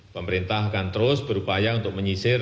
pemerintah akan terus berupaya untuk menyisir